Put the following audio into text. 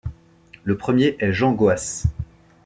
Le premier est Jean Goas.